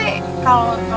itu gak usah